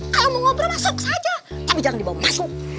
kalau mau ngobrol masuk saja tapi jangan dibawa masuk